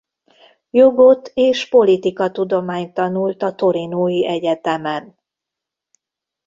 Jogot és politikatudományt tanult a torinói egyetemen.